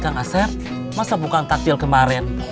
kang asyar masa bukan takjil kemaren